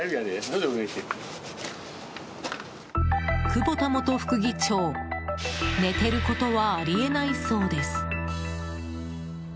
久保田元副議長寝ていることはあり得ないそうです。